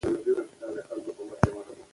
سیلابونه د افغانانو ژوند اغېزمن کوي.